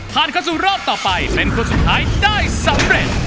เข้าสู่รอบต่อไปเป็นคนสุดท้ายได้สำเร็จ